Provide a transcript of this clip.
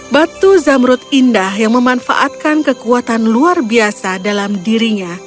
batu zamrut indah yang memanfaatkan kekuatan luar biasa dalam dirinya